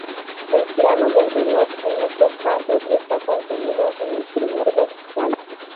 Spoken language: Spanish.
El plano del reloj en estos casos está contenido en el "primer vertical".